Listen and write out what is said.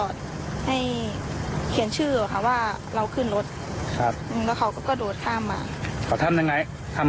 โดดลงรถหรือยังไงครับ